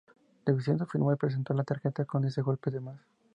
De Vicenzo firmó y presentó la tarjeta con ese golpe de más.